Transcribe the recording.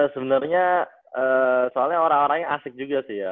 sebenarnya soalnya orang orangnya asik juga sih ya